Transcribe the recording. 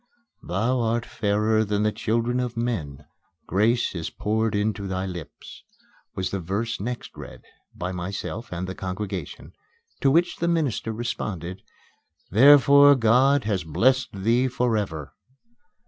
"Thou art fairer than the children of men; grace is poured into thy lips:" was the verse next read (by myself and the congregation), to which the minister responded, "Therefore God hath blessed thee for ever."